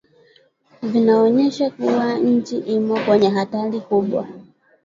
vinaonyesha kuwa nchi imo kwenye hatari kubwa